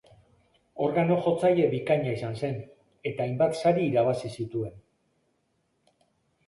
Organo-jotzaile bikaina izan zen, eta hainbat sari irabazi zituen.